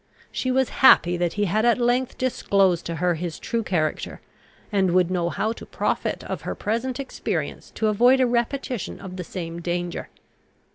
She was happy that he had at length disclosed to her his true character, and would know how to profit of her present experience to avoid a repetition of the same danger.